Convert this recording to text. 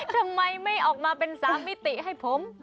ทำไมไม่ออกมาเป็น๓มิติให้ผม